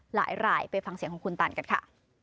หลายไปฟังเสียงของคุณตันกันค่ะ